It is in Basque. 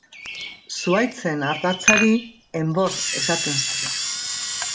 Zuhaitzen ardatzari enbor esaten zaio.